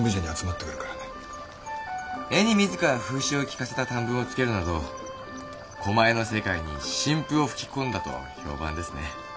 絵に自ら風刺を利かせた短文をつけるなどコマ絵の世界に新風を吹き込んだと評判ですね。